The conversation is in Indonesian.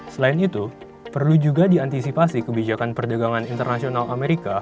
selain itu perlu juga diantisipasi kebijakan perdagangan internasional amerika